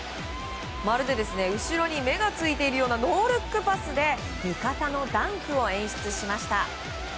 まるで後ろに目がついているようなノールックパスで味方のダンクを演出しました。